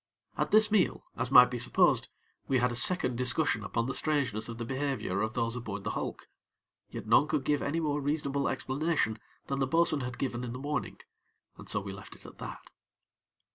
At this meal, as might be supposed, we had a second discussion upon the strangeness of the behavior of those aboard the hulk; yet none could give any more reasonable explanation than the bo'sun had given in the morning, and so we left it at that.